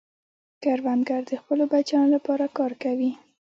کروندګر د خپلو بچیانو لپاره کار کوي